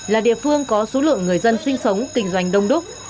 là địa phương có số lượng người dân sinh sống kinh doanh đông đúc